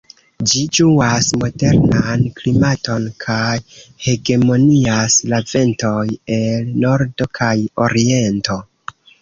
Ĝi ĝuas moderan klimaton, kaj hegemonias la ventoj el nordo kaj oriento.